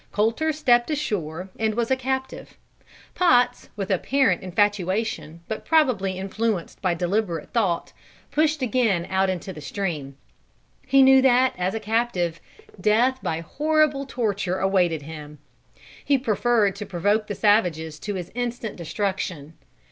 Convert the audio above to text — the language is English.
Colter stepped ashore and was a captive. Potts, with apparent infatuation, but probably influenced by deliberate thought, pushed again out into the stream. He knew that, as a captive, death by horrible torture awaited him. He preferred to provoke the savages to his instant destruction.